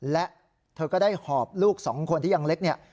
และเธอก็ได้หอบลูกสองคนที่ยังเล็กเนี่ย